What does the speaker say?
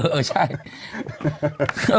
เออใช่เออ